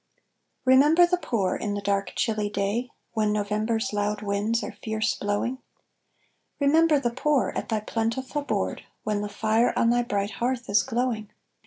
Remember the poor, in the dark chilly day, When November's loud winds are fierce blowing; Remember the poor, at thy plentiful board, When the fire on thy bright hearth is glowing.